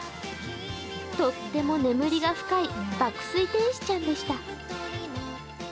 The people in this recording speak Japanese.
とっても眠りが深い爆睡天使ちゃんでした。